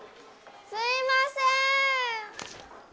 すいません！